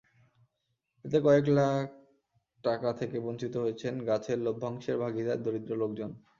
এতে কয়েক লাখ টাকা থেকে বঞ্চিত হয়েছেন গাছের লভ্যাংশের ভাগিদার দরিদ্র লোকজন।